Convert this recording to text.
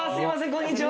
こんにちは